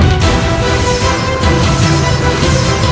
juru seperti mahesa